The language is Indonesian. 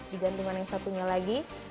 di gantungan yang satunya lagi